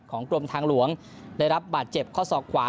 กรมทางหลวงได้รับบาดเจ็บข้อศอกขวา